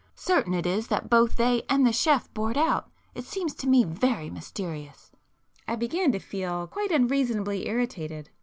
Certain it is that both they and the chef board out. It seems to me very mysterious." I began to feel quite unreasonably irritated.